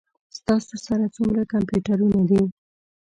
ستاسو سره څومره کمپیوټرونه دي؟